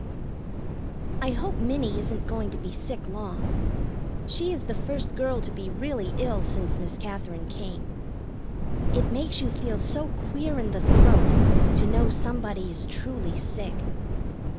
I hope Minnie isn't going to be sick long. She is the first girl to be really ill since Miss Katherine came. It makes you feel so queer in the throat to know somebody is truly sick.